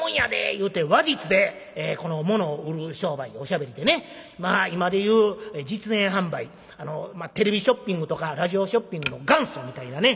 言うて話術で物を売る商売おしゃべりでねまあ今で言う実演販売まあテレビショッピングとかラジオショッピングの元祖みたいなね